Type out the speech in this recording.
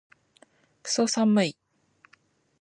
クソ寒い